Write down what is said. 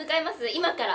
今から。